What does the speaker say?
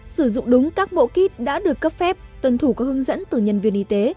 sử dụng đúng các bộ kit đã được cấp phép tuân thủ các hướng dẫn từ nhân viên y tế